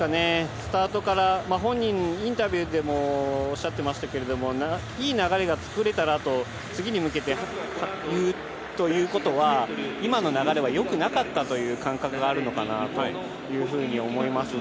スタートから本人、インタビューでもおっしゃってましたけど、いい流れがつくれたらと、次に向けてということは今の流れは良くなかったという感覚があるのかなというふうに思います。